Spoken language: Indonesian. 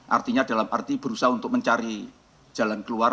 artinya dalam arti berusaha untuk mencari jalan keluar